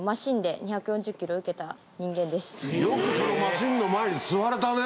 よくそのマシンの前に座れたね。